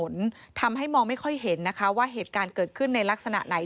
ทำให้มองไม่ค่อยเห็นนะคะว่าเหตุการณ์เกิดขึ้นในลักษณะไหน